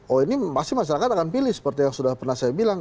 oh ini pasti masyarakat akan pilih seperti yang sudah pernah saya bilang